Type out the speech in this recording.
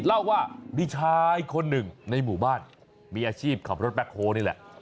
เล่าว่ามีชายคนหนึ่งในหมู่บ้านมีอาชีพขับรถแบ็คโฮนี่แหละ